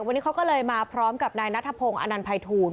วันนี้เขาก็เลยมาพร้อมกับนายนัทพงศ์อนันภัยทูล